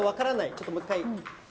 ちょっと、もう１回。